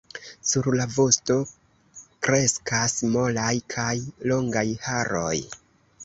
Sur la vosto kreskas molaj kaj longaj haroj.